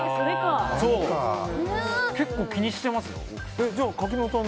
結構、気にしてますよ奥さん。